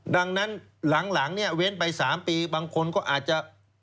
ดังนั้นหลังเนี่ยเว้นไป๓ปีบางคนก็อาจจะ